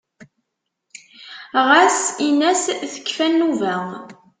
Ɣas in-as tekfa nnuba.